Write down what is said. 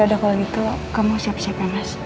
ya udah kalau gitu kamu siap siap ya mas